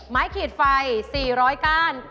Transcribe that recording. ขีดไฟ๔๐๐ก้าน